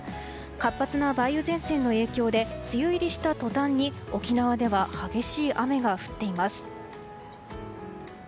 活発な梅雨前線の影響で梅雨入りしたとたんに沖縄では激しい雨が降っています。